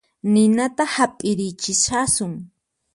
Ninata hap'irichishasun